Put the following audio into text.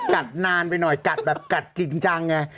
กัดนานไปหน่อยกัดจริงไง